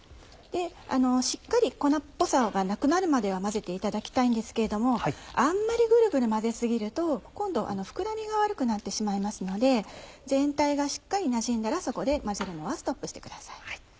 しっかり粉っぽさがなくなるまでは混ぜていただきたいんですけれどもあんまりグルグル混ぜ過ぎると今度膨らみが悪くなってしまいますので全体がしっかりなじんだらそこで混ぜるのはストップしてください。